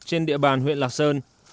cây bàn huyện lạc sơn